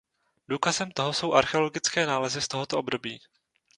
Důkazem toho jsou archeologické nálezy z tohoto období.